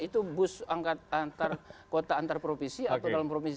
itu bus antar kota antar provinsi atau dalam provinsi